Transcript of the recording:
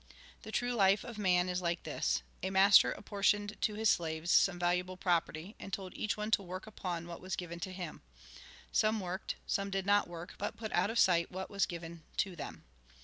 " The true life of man is like this. A master apportioned to his slaves some valuable property, and told each one to work upon what was given to him. Some worked ; some did not work, but put out of sight what was given to them.